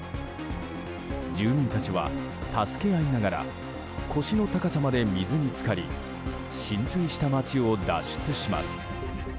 住民たちは助け合いながら腰の高さまで水に浸かり浸水した街を脱出します。